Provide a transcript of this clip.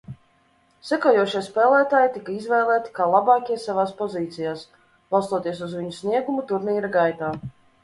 Sekojošie spēlētāji tika izvēlēti kā labākie savās pozīcijās, balstoties uz viņu sniegumu turnīra gaitā.